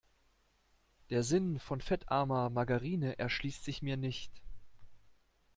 Der Sinn von fettarmer Margarine erschließt sich mir nicht.